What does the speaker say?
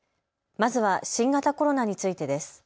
まずは新型コロナについてです。